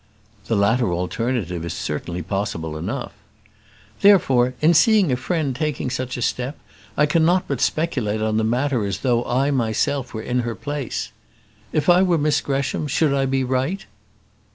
"The latter alternative is certainly possible enough." "Therefore, in seeing a friend taking such a step, I cannot but speculate on the matter as though I were myself in her place. If I were Miss Gresham, should I be right?"